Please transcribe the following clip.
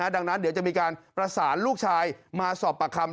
ดังนั้นเดี๋ยวจะมีการประสานลูกชายมาสอบปากคำ